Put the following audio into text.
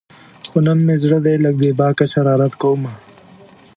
خو نن مې زړه دی لږ بې باکه شرارت کومه